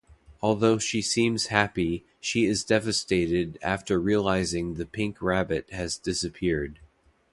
Although she seems happy, she is devastated after realizing the pink rabbit has disappeared.